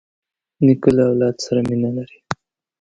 نیکه له اولاد سره مینه لري.